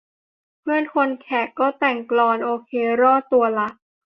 เพื่อนคนแขกก็แต่งกลอน โอเครอดตัวละ